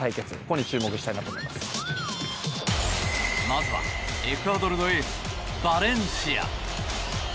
まずはエクアドルのエースバレンシア。